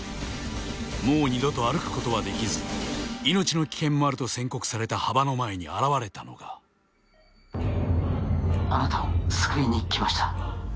もう二度と歩くことはできず命の危険もあると宣告された羽場の前に現れたのがあなたを救いに来ました